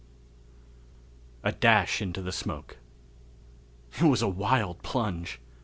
A Dash Into the Smoke. It was a wild plunge.